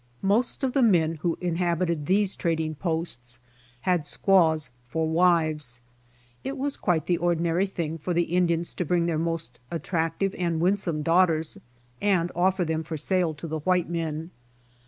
Miost of the men who inhabited these trading posts had squaws for wives. It was quite the ordi nary thing for the Indians to bring their most DISCARDED POSSESSIONS 91 attractive and winsome daughters and ojffer them for sale to the white men.